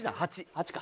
８か。